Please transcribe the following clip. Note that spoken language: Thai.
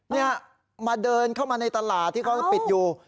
นี่มาเดินเข้ามาในตลาดที่เขาปิดอยู่